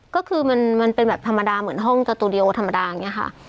ก็คือมันเป็นแบบธรรมดาเหมือนห้องจตุเดียวธรรมดาอย่างนี้ค่ะ